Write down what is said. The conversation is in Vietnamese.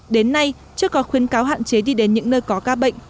đến nay chưa có khuyến cáo hạn chế đi đến những nơi có ca bệnh